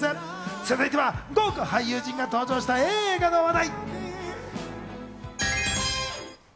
続いては豪華俳優陣が登場した映画の話題。